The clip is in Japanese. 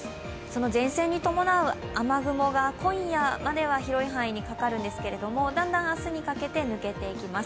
前線に伴う雨雲が今夜は広くかかるんですが、だんだん明日にかけて抜けていきます。